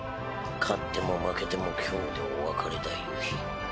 勝っても負けても今日でお別れだ夕日。